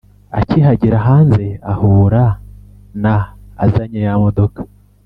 akihagera hanze ahura na azanye ya modoka.